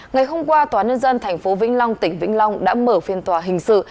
ngày hôm qua tòa nhân dân tp vĩnh long tỉnh vĩnh long đã mở phiên tòa hình sự